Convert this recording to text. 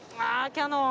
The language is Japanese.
キヤノン！